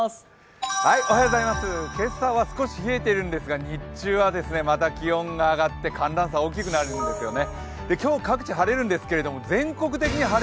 今朝は少し冷えているんですが、日中はまた気温が上がって寒暖差が大きくなるんですよね。